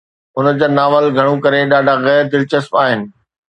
هن جا ناول، گهڻو ڪري، ڏاڍا غير دلچسپ آهن.